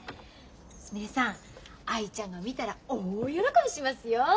すみれさん藍ちゃんが見たら大喜びしますよ。